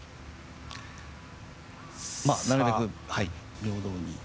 なるべく、平等に。